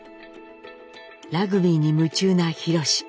ラグビーに夢中なひろし。